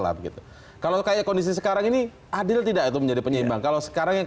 lah begitu kalau kayak kondisi sekarang ini adil tidak itu menjadi penyeimbang kalau sekarang yang